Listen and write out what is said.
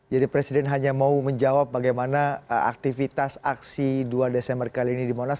jadi presiden hanya mau menjawab bagaimana aktivitas aksi dua desember kali ini di monas